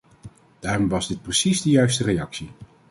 Daarom was dit precies de juiste reactie.